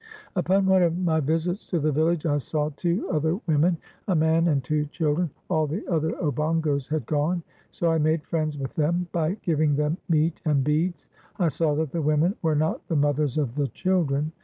Upon one of my visits to the village I saw two other women, a man, and two children ; all the other Obongos had gone. So I made friends with them by giving them meat and beads. I saw that the women were not the mothers of the children.